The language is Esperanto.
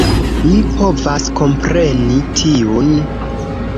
Mi povas kompreni tiun